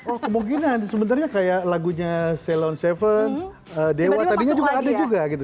oh kemungkinan sebenarnya kayak lagunya ceylon tujuh dewa tadinya juga ada juga gitu